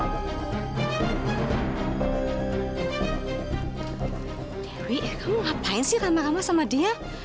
dewi kamu ngapain sih rama rama sama dia